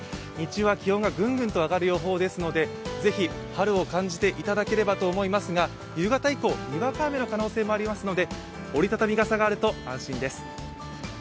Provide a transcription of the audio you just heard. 日中は気温がぐんぐん上がる予報ですので、ぜひ春を感じていただければと思いますが、夕方以降、にわか雨の可能性もありますので折り畳み傘があると安心です。